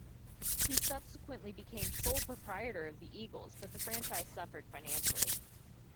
He subsequently became sole proprietor of the Eagles, but the franchise suffered financially.